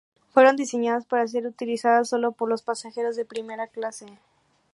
Fueron diseñadas para ser utilizadas sólo por los pasajeros de primera clase.